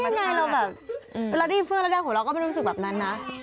เวลาได้ดีขึ้นแล้วหัวเราไม่รู้สึกแบบนั้นนะ